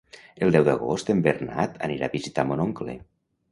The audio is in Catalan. El deu d'agost en Bernat anirà a visitar mon oncle.